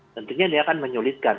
tentunya dia akan menyulitkan